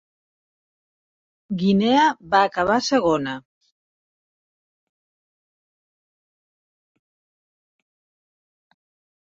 Guinea va acabar segona.